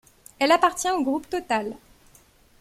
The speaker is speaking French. Elle appartient au groupe Total.